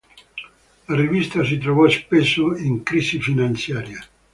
La rivista si trovò spesso in crisi finanziaria.